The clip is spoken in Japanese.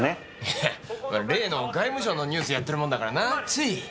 ヘヘ例の外務省のニュースやってるもんだからなつい。